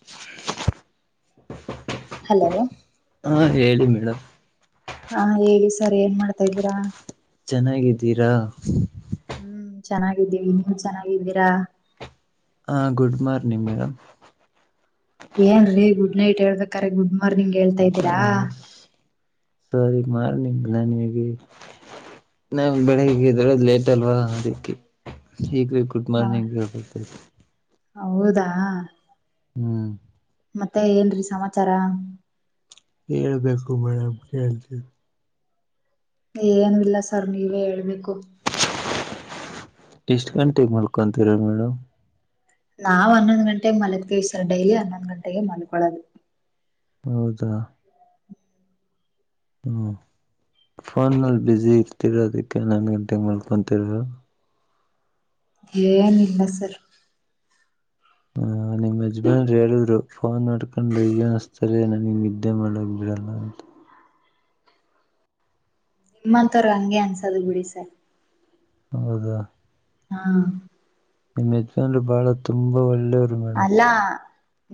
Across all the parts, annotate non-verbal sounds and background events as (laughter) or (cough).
(inaudible) Hello ಹಾ ಹೇಳಿ madam ಹಾ ಹೇಳಿ ಏನ್ ಮಾಡ್ತಾಯಿದ್ದೀರಾ ಚೆನ್ನಾಗಿದ್ದೀರಾ ಹ್ಮ್ ಚೆನ್ನಾಗಿದ್ದೀವಿ ನೀವು ಚೆನ್ನಾಗಿದ್ದೀರಾ ಹಾ ಗುಡ್ ಮಾರ್ನಿಂಗ್ ಮೇಡಮ್ ಏನ್ರೀ ಗುಡ್ ನೈಟ್ ಹೇಳ್ಬೇಕಾರೆ ಗುಡ್ ಮಾರ್ನಿಂಗ್ ಹೇಳ್ತಾ ಇದ್ದೀರಾ ಹ ಸರಿ (unintelligible) ನಾ ಬೆಳಿಗ್ಗೆ ಎದ್ದೇಳೋದು ಲೇಟ್ ಅಲ್ವಾ ಅದಕ್ಕೆ ಈಗ್ ರೀ ಗುಡ್ ಹ ಮಾರ್ನಿಂಗ್ ಹೇಳಬೇಕ್ರಿ ಹೌದಾ ಹ್ಮ್ ಮತ್ತೆ ಏನ್ರೀ ಸಮಾಚಾರ ಹೇಳ್ಬೇಕು ಮೇಡಮ್ ಕೇಳ್ತಿವಿ ಏನಿಲ್ಲ ಸರ್ ನೀವೇ ಹೇಳ್ಬೇಕು ಎಷ್ಟ ಗಂಟೆಗೆ ಮಲ್ಕೊತಿರ ಮೇಡಮ್ ನಾವು ಹನ್ನೊಂದ್ ಗಂಟೆಗೆ ಮಲಗ್ತೀವಿ ಸರ್ ಡೈಲಿ ಹನ್ನೊಂದ್ ಗಂಟೆಗೆ ಮಲ್ಕೊಳೋದು ಹೌದಾ ಹ್ಮ ಫೋನ್ನಲ್ಲಿ ಬ್ಯುಸಿ ಇರ್ತಿರೋ ಅದಕ್ಕೆ ಹನ್ನೊಂದು ಗಂಟೆಗೆ ಮಲಗ್ತೀರ ಏನಿಲ್ಲ ಸರ್ (inaudible) ನಿಮ್ಮ್ ಯಾಜ್ಮಾನ್ರು ಹೇಳಿದ್ರು ಫೋನ್ ಮಾಡಕೊಂಡು ಏನು ಆಸ್ಟ್ರಲಿ ನನಗೆ ನಿದ್ದೆ ಮಾಡಕ್ ಬಿಡಲ್ಲ ಅಂತ ನಿಮ್ಮಂತವ್ರ ಹಂಗೆ ಅನ್ಸೋದು ಬಿಡಿ ಸರ್ ಹೌದ ಹಾ ನಿಮ್ಮ್ ಯಜಮಾನ್ರು ಬಾಳ ತುಂಬಾ ಒಳ್ಳೆಯವರು ಮೇಡಮ್ ಅಲ್ಲಾ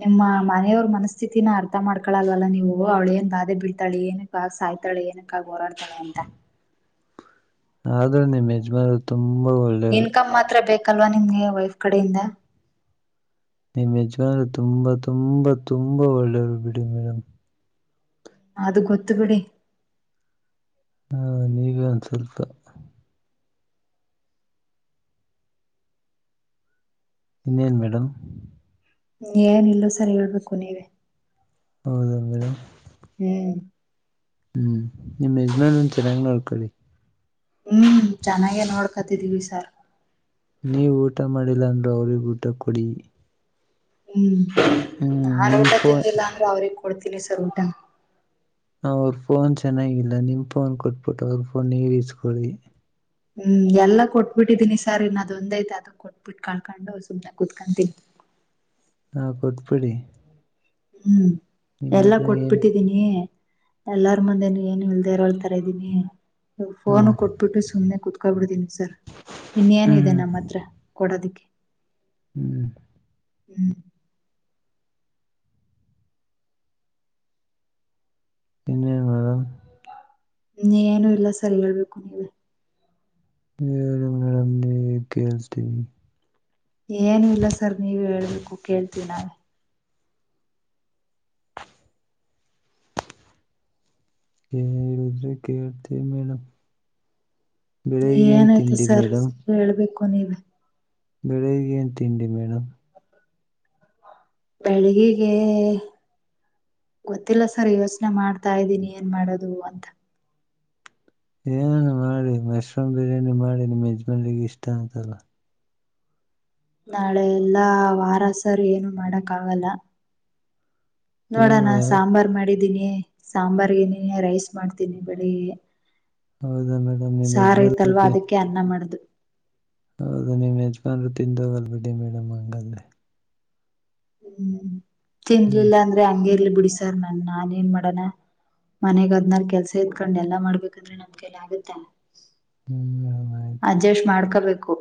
ನಿಮ್ಮ ಮನೆಯವ್ರ ಮನಸ್ಥಿತತಿನ ಅರ್ಥ ಮಾಡ್ಕೊಳಲ್ವಲ್ಲ ನೀವು ಅವಳ ಏನ್ ಬಾಧೆ ಬಿಳ್ತಾಳೆ ಏನ ಕ ಸಾಯ್ತಾಳೆ ಳ ಏನಕ್ಕಾಗಿ ಹೋರಾಡ್ತಾನೆ ಅಂತ ಆದ್ರೆ ನಿಮ್ ಯಜಮಾನ್ ಇನ್ಕಮ್ ಮಾತ್ರ ಬೇಕಲ್ವಾ ನಿಮ್ಗೆ ವೈಫ್ ಕಡೆಯಿಂದ ನಿಮ್ಮ ಯಜಮಾನ ತುಂಬಾ ತುಂಬಾ ತುಂಬಾ ಒಳ್ಳೆಯರು ಬಿಡಿ ಮೇಡಮ್ ಅದು ಗೊತ್ತು ಬಿಡಿ ಹಾ ನೀವೇ ಒಂದ ಸ್ವಲ್ಪ ಇನ್ನೇನು ಮೇಡಮ್ ಏನಿಲ್ಲ ಸರ್ ಹೇಳ್ಬೇಕು ನೀವೆ ಹೌದಾ ಮೇಡಮ್ ಹ್ಮ್ ಹ್ಮ್ ನಿಮ್ ಯಜಮಾನ್ರುನ ಚೆನ್ನಾಗಿ ನೋಡ್ಕೊಳ್ಳಿ ಹ್ಮ್ ಚೆನ್ನಾಗೇ ನೋಡ್ಕತಿದೀವಿ ಸಾರ್ ನೀವು ಊಟ ಮಾಡಿಲ್ಲ ಅಂದ್ರರು ಅವ್ರಿಗ ಊಟ ಕೊಡಿ ಹ್ಮ್ ಹ್ಮ್ ನಾ ನಿಮ್ ಊಟ ಫೋನ್ ತಿಂದಿಲ್ಲ ಅಂದ್ರೆ ಅವ್ರಿಗೆಗ್ ಕೊಡ್ತೀನಿ ಸರ್ ಊಟನ ಅವ್ರ ಫೋನ್ ಚೆನ್ನಾಗಿಲ್ಲ ನಿಮ ಫೋನ್ ಕೊಟ್ಬಿಟ್ಟು ಅವ್ರ ಫೋನ್ ನೀವ್ ಇಸ್ಕೋಳಿ ಹ್ಮ್ ಎಲ್ಲಾ ಕೊಟ್ಬಿಟ್ಟಿದ್ದೀನಿ ಸರ್ ಇನ್ನದ್ ಒಂದ ಐತೆ ಅದ ಕೊಟ್ಬಿಟ್ಟು ಕಾಕೊಂಡು ಸುಮ್ನೆ ಕುೂತ್ಕೊಂತೀನಿ (inaudible) ಹಾ ಕೊಟ್ಟುಬಿಡಿ ಹ್ಮ್ ಎಲ್ಲಾ ಕೊಟ್ಬಿಟ್ಟಿದ್ದೀನಿ ಎಲ್ಲಾರ ಮುಂದೆನು ಏನು ಇಲ್ದೆೇ ಇರಳ್ತರ ಇದ್ದೀನಿ ಹಾ ಫೋನು ಕೊಟ್ಬಿಟ್ಟು ಸುಮ್ಮನೆ ಕುತ್ಕೊಬ ಬಿಡ್ತೀನಿ ಸರ್ ಇನ್ನೇನ್ ಹ್ಮ್ ಇದೆ ನಮ್ಮ ಹತ್ರ ಕೊಡೋದಿಕ್ಕೆ ಹ್ಮ್ ಹ್ಮ್ ಇನ್ನೇ ಮೇಡಮ ಹ್ಮ್ ಏನು ಇಲ್ಲ ಸರಿ ಹೇಳ್ಬೇಕು ನೀವೇ ಹೇಡಮ ನೀ ಕೇಳ್ಸತೀನಿ ಏನು ಇಲ್ಲ ಸರ್ ನೀವ ಹೇಳ್ಬೇಕು ಕೇಳ್ತೀವಿ ನಾವೇ ಹೇಳಿದೆ ಕೇಳ್ತೇ ಮೇಡ ಏನಾಯ್ತು ಸರ್ ಹೇಳ್ಬೇಕು ನೀವ ಬೆಳಿಗ್ಗೆ ಏನ್ ತಿಂಡಿ ಮೇಡಮ್ ಬೆಳಗೆಗೆ ಗೊತ್ತಿಲ್ಲ ಸರ್ ಯೋಚನೆ ಮಾಡ್ತಾ ಇದ್ದೀನಿ ಏನ್ ಮಾಡೋದು ಅಂತ ಏನು ಮಾಡಿ ಮಶ್ರೂಮ್ ಬಿರಿಯಾನಿ ಮಾಡಿ ನಿಮ್ಮ್ ಯಜಮ್ನರಿಗೆ ಇಷ್ಟ ಅಂತಲ್ಲ ನಾಳೆ ಎಲ್ಲಾ ವಾರಸರು ಏನು ಮಾಡಕ್ ಆಗಲ್ಲ ಏನ್ ನೋಡೋಣ ಮೇಡಂ ಸಾಂಬಾರ್ ಮಾಡಿದ ನಿ ಸಾಂಬಾರ ಏನೇನು ರೈಸ್ ಮಾಡ್ತೀನಿ ಬೆಳಿಗ್ಗೆ ಹೌದಾ ಮೇಡಂ ನಿಮ್ಮ ಸಾರ ಯಜಮಾನ್ರು ಐತಲ್ವಾ ಅದಕ್ಕೆ ಅನ್ನ ಮಾಡ್ದು ಹೌದ ನೀ ಯಜಮಾನ್ರು ತಿಂದೋಗಲ್ ಬಿಡಿ ಮೇಡಮ್ ಹಂಗಂದ್ರೆ ಹ್ಮ್ ಹ್ಮ್ ತಿನ್ಲಿಲ್ಲ ಅಂದ್ರೆ ಹಂಗಗೆರ್ಲಿ ಬಿಡಿಸಾರ್ ನನ್ ನಾನ ಏನ್ ಮಾಡಣ ಮನೆಗ್ ಅದ್ನಾರ ಕೆಲ್ಸ ಎತ್ಕಂಡ್ ಎಲ್ಲಾ ಮಾಡ್ಬೇಕಂದ್ರೆ ನಮ್ಕ ಎಲ್ಲ ಆಗತ್ತ ಹ್ಮ್ ಮೇಡಂ ಆಯ್ತು ಅಜೆಸ್ಟು ಮಾಡ್ಕೋಬೇಕು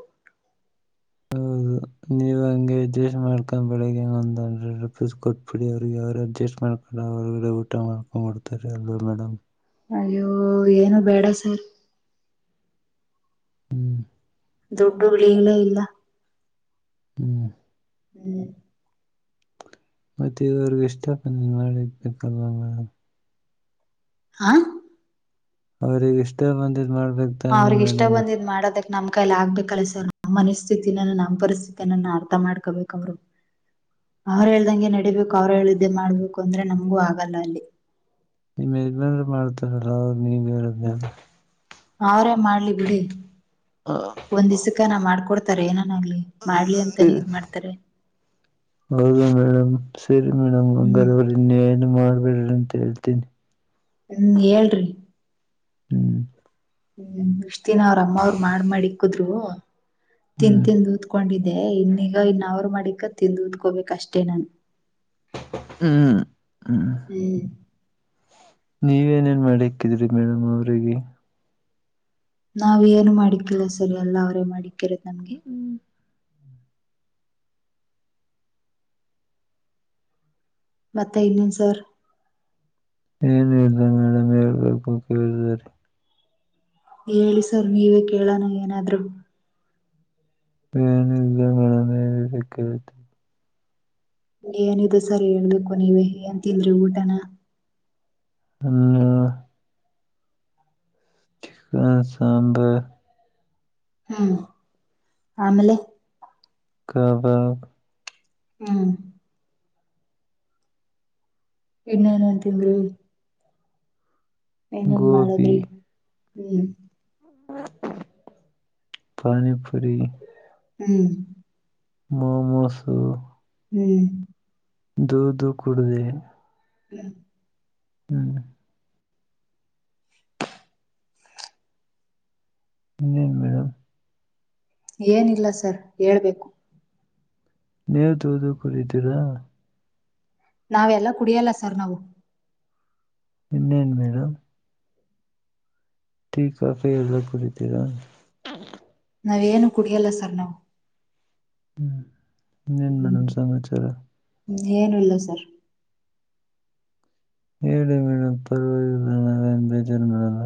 ಹೌದು (inaudible) ನೀವು ಹಂಗೆ ಅಡ್ಜಸ್ಟ್ ಮಾಡ್ಕೊಂಡ ಬೆಳಿಗ್ಗೆ ಒಂದ್ ಹಂಡ್ರೆಡ್ ರುಪೀಸ್ ಕೊಟ್ಬಿಡಿ ಅವ್ರಿಗೆ ಅಡ್ಜಸ್ಟ್ ಮಾಡ್ಕೊಂಡ ಅವರುಗ ಊಟ ಮಾಡ್ಕೊಂಡ ಕೊಡ್ತಾರೆ ಅಲ್ವಾ ಮೇಡ್ ಅಯ್ಯೋ ಏನು ಬೇಡ ಸರ್ ಹ್ಮ್ ದುಡ್ಡು ಉಳಿಗಳೇ ಇಲ್ಲ ಹ್ಮ್ ಹ್ಮ್ ಮತ್ತೆ ಈವರ್ಗ ಇಷ್ಟಕ್ಕ ನೀನ್ ಮಾಡಿಕ್ಬೇಕಲ್ವಾ ಮೇಡ್ ಹಾ ಅವ್ರಗ ಇಷ್ಟ ಬಂದಿದ ಅವ್ರಿಗೆ ಇಷ್ಟ ಬಂದಿದ್ ಮಾಡೋದ ನಮ್ ಕೈಲ ಆಗ್ಬೇಕಲ್ಲ ಸರ್ ನಮ್ಮ್ ಮನಸ್ಥಿತಿಿನ ನಮ್ ಪರಿಸ್ಥಿತ ಅರ್ಥ ಮಾಡ್ಕೋಬೇಕ ಅವರು ಅವ್ರ ಹೇಳ್ದಂಗೆ ನಡೀಬೇಕು ಅವ್ರ ಹೇಳ್ದೆ ಮಾಡ್ಬೇಕು ಅಂದ್ರೆ ನಮ್ಗೂ ಆಗಲ್ಲ ಅಲ್ಲಿ ನಿಮ್ಮ ಯಜಮನ್ ಮಾಡ್ತಾರಲ್ಲ ಅವರು ನೀವರ ಜ ಅವ್ರೇ ಮಾಡ್ಲಿ ಬಿಡಿ ಒಂದ್ ದ್ಕ್ಕೆ ನಾ ಮಾಡ್ಕೊಡ್ತಾರೆ ಏನ ಹ ಇದು ಹೌದಾ ಮೇಡಮ್ ಸರಿ ಹ್ಮ್ ಮೇಡಮ್ರ್ವರಿ ಇನ್ನ ಏನ್ ಮಾಡ್ಬೇಡ್ರಿ ತಿಲ್ತಿನ ಹ್ಮ್ ಹೇಳಏ್ರಿ ಹ್ಮ್ ಹ್ಮ್ ಎಷ್ಟ್ ದಿನ ಅವ್ರ ಅಮ್ಮ ಅವರು ಮಾಡ್ ಮಾಡಿಕ್ಕುದ್ರು ತಿನ್ ಹ್ಮ್ ತಿಿಂದ ತ್ಕೊಂಡಿದ್ ಅೇ ಇನ್ನೀಗ ಇನ್ ಅವ್ರ ಮಾಡಿಕ ತಿಂದು ಉದ್ಕೋಬೇಕಕ್ ಅಷ್ಟೇ ನನ್ ಹ್ಮ್ ಹ್ಮ್ ನೀವೇನೇನ್ ಮಾಡಕ್ಕಿದ್ರಿ ಮೇಡಮ್ ಅವ್ರಿಗೆ ನಾವ ಏನು ಮಾಡಕ್ಕಿಲ್ಲ ಸರಿ ಎಲ್ಲ ಅವರೇ ಮಾಡಕ್ಕಿರ ನಮ್ಗೆ ಮತ್ತ ಇನ್ನು ಸರ್ ಏನ್ ಹೇಳ್ದ ಮೇಡಮ್ ಹೇಳ್ಬೇಕು ಕೇಳಿದ್ದಾರೆ ಹೇಳಿ ಸರ್ ನೀವೇ ಕೇಳೋಣ ಏನಾದ್ರು ವನಜ ಗಣನ ವಿ ವ ಕೆೇಳತು ಏನಿದೆ ಸರಿ ಹೇಳ್ಬೇಕು ನೀವೇ ಅಂತಲ್ರಿ ಊಟನ ಹ ಚಿಕನ್ ಸಾಂಬರ್ ಹ್ಮ್ ಆಮೇಲೆ ಕಬಬ್ ಹ್ಮ್ ಇನ್ನ ನಂತೀಂಗೆ ಏನನು ಗೋಬಿ ಮಾಡಳದ್ರಿ ಹ್ಮ್ ಪಾನಿಪುರಿ ಹ್ಮ್ ಮಾಾಮಸು ಹ್ಮ್ ೂದುೂ ಕುಡದೆ ಹ್ಮ್ ಹ್ಮ ನೀ ಮೇಡಮ ಏನಿಲ್ಲ ಸರ್ ಹೇಳ್ಬೇಕು ನೇವ್ದೋದು ಕೂರಿದ್ದೀರಾ ನಾವೆಲ್ಲ ಕುಡಿಯಲ್ಲ ಸರ್ ನಾವು ಇನ್ನೇನು ಮೇಡಮ ಕೇಲ್ಲಗತೀರ ನಾವೇನು ಕುಡಿಯಲ್ಲ ಸರ್ ನಾವು ಹ್ಮ್ ನೀ ಏನ್ ಮೇಡಮ ಸಮಾಚಾರ ್ಮ ಏನ ಇಲ್ಲ ಸರ್ ಡ ಮೇಡ ಪರ್ ವ ಬೇಜಾರಲ್ಲ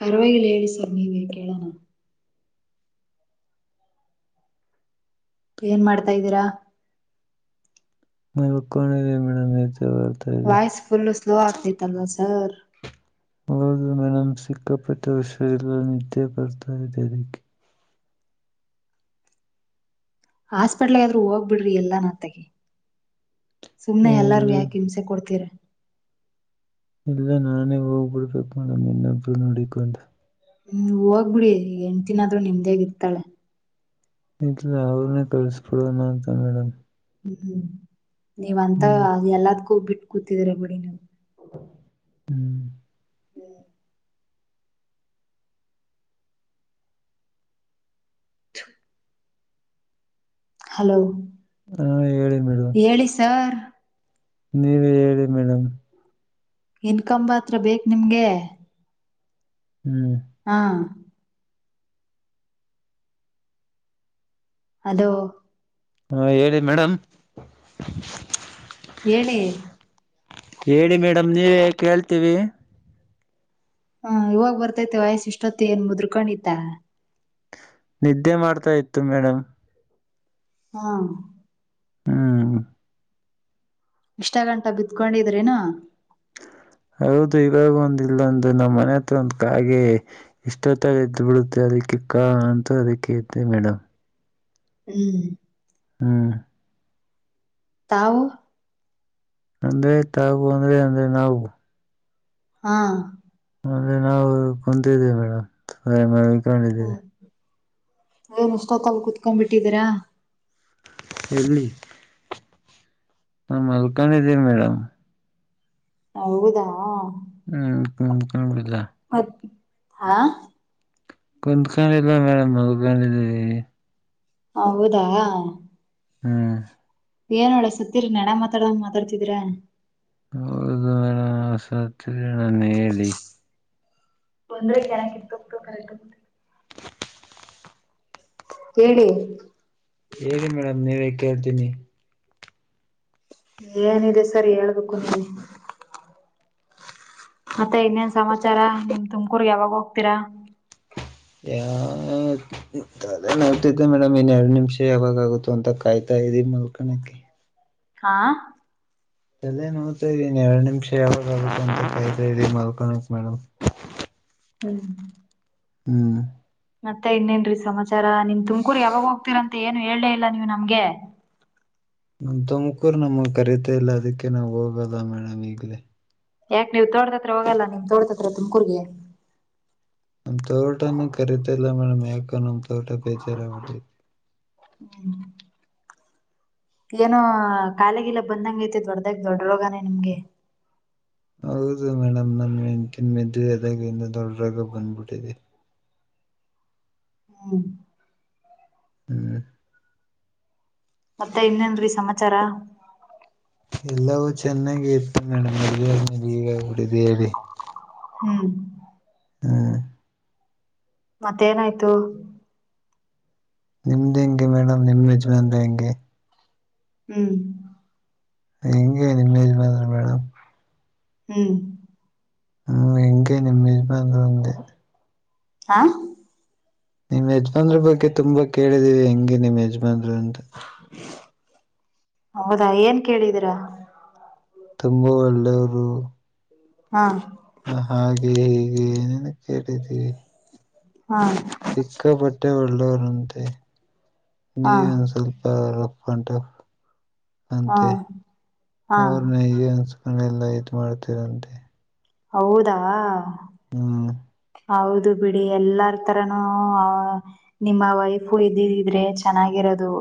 ಪರವಾಗಿಲಿ ಹೇಳಿ ಸರ್ ನೀವೇ ಕೇಳಣ ಏನ್ ಮಾಡ್ತಾ್ದೀರಾ ಮ ಕಣ ಇ ರ ಮೇಡಮ ಯ ವಾಯ್ಸ್ ಫುಲ್ಲು ಸ್ಲೋ ಆಗ್ತಿತ್ತಲ್ಲ ಸರ್ ಹದು ಮೇಡಮ್ ಸಿಕ್ಕಾಪಟ್ಟ ವಿಷಯ ಎಲ್ಲ ನಿದ್ದೆ ಬರ್ತಾ ಇದೆ ಅದಕ್ಕೆ ಹಾಸ್ಪಿಟ್ಲ್ಗೆಾದ್ರು ಹೋಗ್ಬಿಡ್ರಿ ಎಲ್ಲ ನತ್ತಗ ಸುಮ್ನೆ ಎಲ್ಲಾರೂ ಇಲ್ಲಿ ಯಾಕೆ ಹಿಂಸೆ ಕೊಡ್ತೀರ ಇಲ್ಲ ನಾನೇ ಹೋಗ್ಬಿಡ್ಬೇಕ ಮೇಡಮ್ ಇನ್ನೊಬ್ರು ನೋಡಕೊಂಡೆ ಹ್ಮ್ ಹೋಗ್ಬಿಡಿ ಎಂಟ ದಿನ ಆದ್ೂ ನಿಮ್ದೇಾಗ ಇರ್ತಾಳೆ ಇಲ ಅವ್ರನ್ನೇ ಕಳ್ಸ್ಬಿಡೋಣ ಅಂತ ಮೇಡಮ್ ಹ್ಮ್ ನೀವಂತ ಹ್ಮ್ ಎಲ್ಲದ್ಕ್ಕ ಹೋಗ್ಬಿಟ್ಟು ಕೂತಿದ್ರ ಬಿಡಿ ನೀವು ಹ್ಮ್ ಹ್ಮ್ ಹಲೋ ಹಾ ಹೇಳಿ ಮೇಡಮ್ ಹೇಳಿ ಸರ್ ನೀವ ಹೇಳಿ ಮೇಡಮ್ ಇನ್ಕಮ ಹತ್ರ ಬೇಕು ನಿಮ್ಗೆ ಹ್ಮ್ ಹಾ ಅದು ಹಾ ಹೇಳಿ ಮೇಡಮ್ ಏಳೆ ಹೇಳಿ ಮೇಡಮ್ ನೀವೇ ಕೇಳ್ತೀವಿ ಹ್ಮ ಇವಾಗ್ ಬರ್ತೈತೆ ವಯಸ್ಸ ಇಷ್ಟೊತ್ತ ಏನ್ ಮುದ್ರ ಕಂಡಿತಾ ನಿದ್ದೆ ಮಾಡ್ತಾ ಇತ್ತು ಮೇಡಮ್ ಹಾ ಹ್ಮ್ ಇಷ್ಟ ಗಂಟ್ಟೆ ಬಿತ್ಕೊಂಡಿದ್ರ ಏನು ಹೌದು ಇವಾಗ ಒಂದ ಇಲ್ಲಂದು ನಮ್ಮ್ ಮನೆ ಹತ್ರ ಒಂದ್ ಕಾಗೆ ಇಷ್ಟೊತ್ತ ಎ್ದ್ ಬಿಡುತ್ತೆ ಅ ಅದಕ್ಕೆಕ್ಕಾ ಅಂತ ಅದಕ್ಕೆತೆ ಮೇಡಮ್ ಹ್ಮ್ ಹ್ಮ್ ತಾವು ಅಂದ್ರೆ ತಾವು ಅಂದ್ರೆ ಅಂದ್ರೆ ನಾವು ಹಾ ಅಂದರೆ ನಾವು ಕುಂತಿದೀವಿ ಮೇಡಮ್ ಮಕೊಂಡಿದ್ದೀವಿ ಹ್ಮ್ ಏನ್ ಇಷ್ಟತ್ತಲ್ ಕುತ್ಕೊಂಡ್ ಬಿಟ್ಟಿದೀರಾ ಎಲ್ಲಿ ನಾ ಮಲ್ಕೊಂಡಿದ್ದೀರಿ ಮೇಡಮ್ ಹೌದಾ ಹ್ಮ ಕಣ ಕಣ ಕಾಣ್ಬು ಮತ್ತ ಹಾ ಕುತ್ಕೊಂಡಿಲ್ಲ ಮೇಡಮ್ ಮಗ್ಕೊಂಡಿದೀವಿ ಹೌದಾ ಹ್ಮ್ ಏನು ಒಳ್ಳೆ ಸತ್ತಿರ ಯಣ ಮಾತಾಡ್ದಂಗ ಮಾತಾಡ್ತಿದ್ರ ಹೌದು ಮೇಡಸತ್ತದಿನಿ ನನ್ ಹೇಳಿ ಒಂದ್ರೆ್ಯಾಕೆ ತೋಗತು ಕರೆಕ್ೋಗ ಕೇಳಿ ಕೇಳಿ ಮೇಡಮ್ ನೀವೇ ಕೇಳ್ತೀನಿ. ಏನಿದೆ ಸರ್ ಹೇಳ್ಬೇಕು ನೀವೇ. ಮತ್ತೆ ಇನ್ನೇನ್ ಸಮಾಚಾರ ತುಮಕೂರ್ಗೆ ಯಾವಾಗ್ ಹೋಗ್ತೀರಾ. ಯ ತೆಲೆ ನೌತಿದೆ ಮೇಡಮ್ ಇನ್ ಎರಡ್ ನಿಮಿಷ ಯಾವಾಗ್ ಆಗುತ್ತೋ ಅಂತ ಕಾಯ್ತಾ (unintelligible) ರಿ ಮಲ್ಕಣಕ್ಕೆ. ಕಾ ತಲೆ ನೋಯ್ತಾ ಇದೆ ಇನ್ನ ಎರಡ್ ನಿಮಿಷ ಯಾವಾಗ ಆಗುತ್ತೆ ಅಂತ ಕಾಯ್ತಾ ಇದೀನಿ ಮಲ್ಕೋಣಕ್ ಮೇಡಮ್. ಹ್ಮ್ ಹ್ಮ್ ಮತ್ತೆ ಇನ್ನೇನ್ರೀ ಸಮಾಚಾರ ನೀಮ್ಮಾ ತುಮಕೂರ್ಗೆ ಯಾವಾಗ ಹೋಗ್ತೀರಂತ ಏನು ಹೇಳಲೇ ಇಲ್ಲ ನೀವ್ ನಮ್ಗೆ. ನಮ್ಮ ತುಮಕೂರು ನಮ್ಮ ಕರೀತ ಇಲ್ಲ ಅದಕ್ಕೆ ನಾವ್ ಹೋಗಲ್ಲ ಮೇಡಮ್ ಈಗ್ಲೆ. ಯಾಕ ನೀವು ತೋಟ ದತ್ರ ಹೋಗಲ್ಲ ನಿಮ್ಮ್ ತೋಟದತ್ರ ತುಮಕೂರ್ಗೆ. ನಮ್ ತೋಟನು ಕರಿತಿಲ್ಲ ಮೇಡಮ್ ಯಾಕೋ ನಮ್ ತೋಟ ಬೇಜಾರ ಆಗ್ಬಿಟ್ಟಿದೆ. ಹ್ಮ ಏನೋ ಕಾಲ ಗಿಲ ಬಂದಂಗ್ ಐತೆ ದೊಡ್ಡದಾಗಿ ದೊಡ್ಡ ರೋಗಾನೇ ನಿಮ್ಗೆ. ಹೌದು ಮೇಡಮ್ ನಮ್ಮ ಹೆಂಡ್ತಿನ ಮೆದೆವಿ ಎದಾಗಿಂದ ದೊಡ್ಡ್ರಾಗ ಬಂದ್ಬಿಟ್ಟಿದೆ. ಹ್ಮ್ ಹ್ಮ್ ಮತ್ತೆ ಇನ್ನೇನ್ರಿ ಸಮಾಚಾರ. ಎಲ್ಲವೂ ಚೆನ್ನಾಗಿ ಇತ್ತು ಮೇಡಂ ಮದುವೆ ಆದ್ಮೇಲೆ ಹೀಗಾಗ್ಬಿಟ್ಟಿದೆ ಹೇಳಿ. ಹ್ಮ್ ಹ ಮತ್ತೇನಾಯ್ತು. ನಿಮ್ದ್ ಹೆಂಗೆ ಮೇಡಮ್ ನಿಮ್ ಯಜಮಾನ್ರು ಹೆಂಗೆ. ಹ್ಮ್ ಹೆಂಗೆ ನಿಮ್ಮೆಜಮಾನ್ರು ಮೇಡಮ್. ಹ್ಮ್ ಹ್ಮ್ ಹೆಂಗೆ ನಿಮ್ಮ್ ಯಜಮಾನ್ರು. ಅಂದೆ ಹಾ ನಿಮ್ ಯಜಮಾನ್ರು ಬಗ್ಗೆ ತುಂಬ ಕೇಳಿದೀವಿ ಹೆಂಗೆ ನಿಮ್ ಯಜ್ಮಾನ್ರು ಅಂತ. ಹೌದಾ ಏನ್ ಕೇಳಿದೀರಾ. ತುಂಬಾ ಒಳ್ಳೆಯವರು. ಹಾ ಹಾಗೆ ಹೀಗೆ ಏನೇನೊ ಕೇಳಿದ್ದಿವಿ. ಹಾ ಸಿಕ್ಕಾಪಟ್ಟೆ ಒಳ್ಳೆವ್ರಂತೆ ಹಾ ನೀವೆ ಒಂದ್ ಸ್ವಲ್ಪ (unintelligible) ಫಂಟ ಹಾ ಅಂತೆ ಹಾ ಅವ್ರನ ಅಯ್ಯೋ (unintelligible) ನೆಲ್ಲ ಇ ಮಾಡ್ತೀರಂತೆ. ಹೌದಾ ಹ್ಮ್ ಹೌದು ಬಿಡಿ ಎಲ್ಲಾರ ತರನು ನಿಮ್ಮ ವೈಫು ಇದಿದ್ರೆ ಚೆನ್ನಾಗಿರ (unintelligible) ಅದು.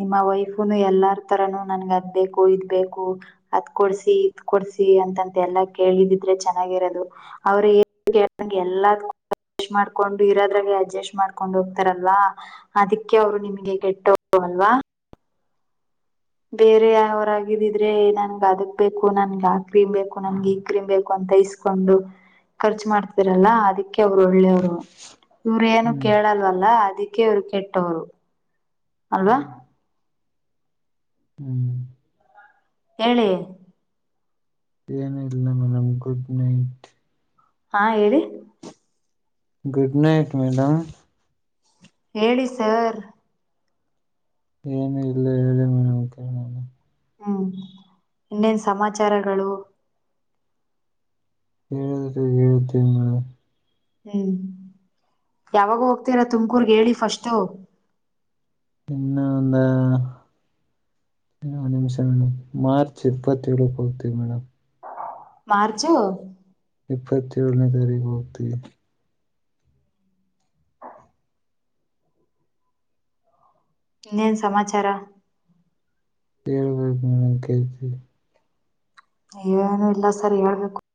ನಿಮ್ಮ ವೈಫನು ಎಲ್ಲಾರ್ ತರನುೂ ನನಗ್ ಅದ್ ಬೇಕು ಇದ್ ಬೇಕು ಅದ್ ಕೊಡ್ಸಿ ಇದ ಕೊಡ್ಸಿ. (unintelligible) ಎ ಅಂತಂತ ಎಲ್ಲಾ ಕೇಳಿದಿದ್ರೆ ಚೆನ್ನಾಗಿರೋದು ಅವ್ರ ಏನ್ ಕೆಂಗೆ ಎಲ್ಲನ್ ಅಡ್ಜಸ್ಟ್ ಮಾಡ್ಕೊಂಡು ಇರೋದ್ರಾಗೆ ಅಡ್ಜಸ್ಟ್ ಮಾಡ್ಕೊಂಡು ಹೋಗ್ತಾರಲ್ವಾ ಅದಕ್ಕೆ ಅವ್ರು ನಿಮಗೆ ಕೆಟ್ಟವ್ರು. (unintelligible) ಲ್ವಾ ಬೇರೆ ಯಾವರಾಗಿದಿದ್ರೆ ನನ್ಗ ಅದಕ್ ಬೇಕು ನನ್ಗೆ ಆ ಕ್ರೀಮ್ ಬೇಕು ನನ್ಗೆ ಈ ಕ್ರೀಮ್ ಬೇಕು ಅಂತ (unintelligible) ತ ಇಸ್ಕೊಂಡು ಖರ್ಚು ಮಾಡ್ತಿರಲ್ಲ ಅದಿ ಅ ಅವ್ರು ಒಳ್ಳೆಯವ್ರು ಇವ್ರು ಏನು ಹ್ಮ್ ಕೇಳಲ್ವಲ್ಲ ಅದಿ (unintelligible) ಕ್ಕೆ ಅವ್ರು ಕೇಟ್ಟವರು ಅಲ್ವಾ. ಹ್ಮ್ ಏಳೆ ಏನ ಇಲ್ಲ ಮೇಡಮ್ ಗಡ್ ನೈಟ್ ಹಾ ಹೇಳಿ ಗುಡ್ ನೈಟ್ ಮೇಡಮ್ ಹೇಳಿ ಸರ್ ಏನು ಇಲ್ಲ ಏಳೇ ಮೇಡಂ ಹ್ಮ್ ಇನ್ನೇನ್ ಸಮಾಚಾರಗಳು ಹೇಳಿದ್ರೆ ಹೇಳ್ತೀ ಹ್ಮ್ ಯಾವಾಗ ಹೋಗ್ತೀರಾ ತುಮ್ಕೂರ್ಗೆ ಹೇಳಿ ಫಸ್ಟ್ು ಇನ್ನ ಒಂದ ನಿಮಿಷ ಮೇಡ್ ಮಾರ್ಚ್ ಇಪ್ಪತ್ತೇಳಳಕ್ಕೆ ಹೋಗ್ತೀವಿ ಮೇಡಮ್ ಮಾರ್ಜು ಇಪ್ಪತ್ತೇಳಳನೇ ತಾರೀಕು ಒತ ಇನ್ನೇನ್ ಸಮಾಚಾರ ಕೇಳ್ಬೇಕ ಕೇಳ್ತೀವಿ ಏನು ಇಲ್ಲ ಸರಿ ಹೇಳ್ಬೇಕು